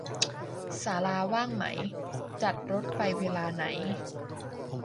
ศาลาว่างไหม จัดรถไปเวลาไหน